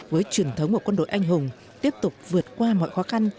với truyền thống của quân đội anh hùng tiếp tục vượt qua mọi khó khăn